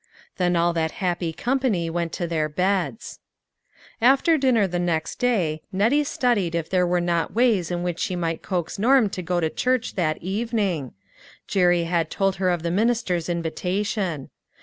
Then all that happy company went to their beds. AN UNEXPECTED HELPER, 237 After dinner the next day, Nettie studied if there were not ways in which she might coax Norm to go to church that evening. Jerry had told her of the minister's invitation.